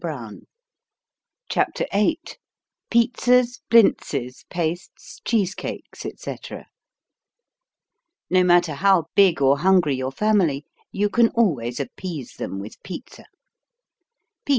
Chapter Eight Pizzas, Blintzes, Pastes, Cheese Cakes, etc. No matter how big or hungry your family, you can always appease them with pizza.